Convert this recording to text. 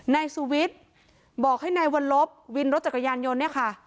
นายสุวิทย์บอกให้นายวัลลบวินรถจักรยานยนต์เนี่ยค่ะ